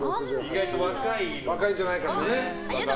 意外と若いんじゃないかと。